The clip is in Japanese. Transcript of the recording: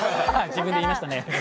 自分で言いましたね。